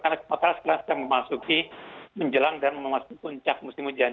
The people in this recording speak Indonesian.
karena sumatera sekalian sudah memasuki menjelang dan memasuki puncak musim hujan